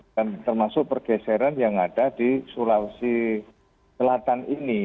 dan termasuk pergeseran yang ada di sulawesi selatan ini